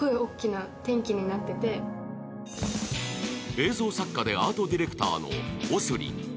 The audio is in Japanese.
映像作家でアートディレクターのＯＳＲＩＮ。